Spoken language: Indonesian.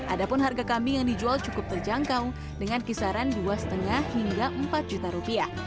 ada pun harga kambing yang dijual cukup terjangkau dengan kisaran dua lima hingga empat juta rupiah